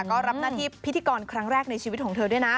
ก็รับหน้าที่พิธีกรครั้งแรกในชีวิตของเธอด้วยนะ